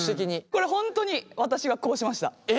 これ本当に私がこうしました。